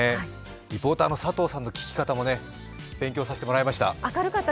リポーターの佐藤さんの聞き方も勉強させてもらいました。